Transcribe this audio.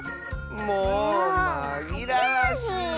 もうまぎらわしいよ。